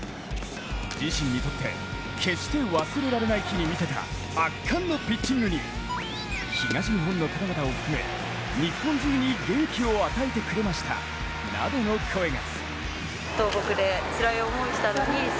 自身にとって、決して忘れられない日に見せた圧巻のピッチングに、東日本の方々を含め日本中に元気を与えてくれましたなどの声が。